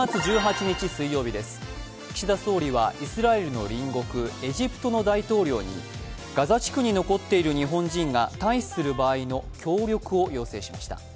岸田総理はイスラエルの隣国エジプトの大統領にガザ地区に残っている日本人が退避する場合の協力を要請しました。